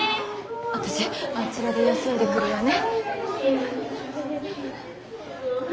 私あちらで休んでくるわね。